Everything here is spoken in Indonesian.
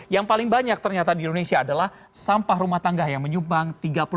yang paling banyak ternyata di indonesia adalah sampah rumah tangga yang menyumbang tiga puluh delapan